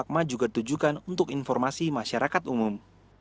pma juga ditujukan untuk informasi masyarakat umum